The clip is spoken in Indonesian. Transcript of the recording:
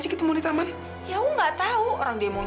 maksudnya menurut ryan romney